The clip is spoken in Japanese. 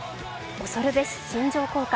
恐るべし新庄効果。